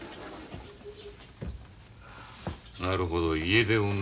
なるほど家出をね。